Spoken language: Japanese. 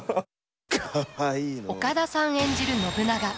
岡田さん演じる信長。